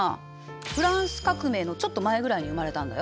フランス革命のちょっと前ぐらいに生まれたんだよ。